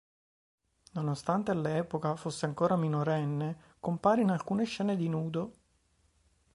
Nonostante all'epoca fosse ancora minorenne, compare in alcune scene di nudo.